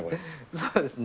そうですね。